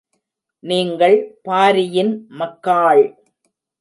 நீங்கள் பாரியின் மக்காள்!